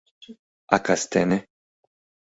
— А кастене?